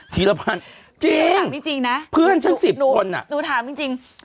ทีละพันจริงเพื่อนชั้นสิบคนอ่ะนูถามจริงนะนูถามจริง